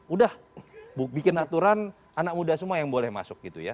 udah bikin aturan anak muda semua yang boleh masuk gitu ya